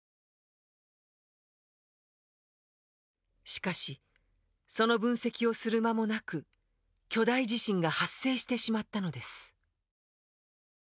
しかしその分析をする間もなく巨大地震が発生してしまったのです。